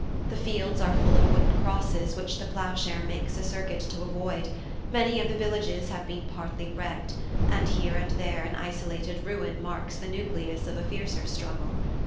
The fields are full of wooden crosses which the ploughshare makes a circuit to avoid; many of the villages have been partly wrecked, and here and there an isolated ruin marks the nucleus of a fiercer struggle.